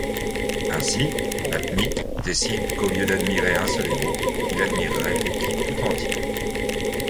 Ainsi, Bat-Mite décide qu’au lieu d’admirer un seul héros, il admirerait l’équipe tout entière.